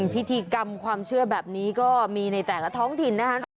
พิธีกรรมความเชื่อแบบนี้ก็มีในแต่ละท้องถิ่นนะคะ